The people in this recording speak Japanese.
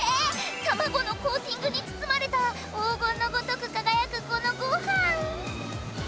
卵のコーティングに包まれた黄金のごとく輝くこのご飯。